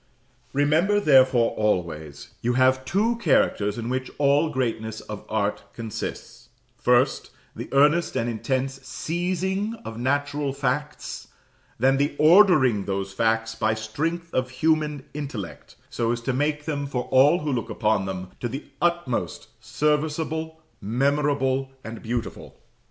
Remember therefore always, you have two characters in which all greatness of art consists: First, the earnest and intense seizing of natural facts; then the ordering those facts by strength of human intellect, so as to make them, for all who look upon them, to the utmost serviceable, memorable, and beautiful.